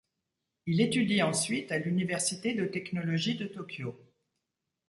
Il étudie ensuite à lUniversité de technologie de Tokyo.